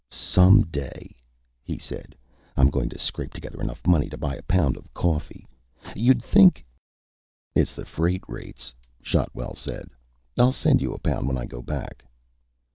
"Some day," he said, "I'm going to scrape together enough money to buy a pound of coffee. You'd think " "It's the freight rates," Shotwell said. "I'll send you a pound when I go back."